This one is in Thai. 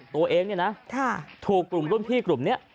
ตัวเองเนี่ยนะถูกกลุ่มรุ่นพี่กลุ่มนี้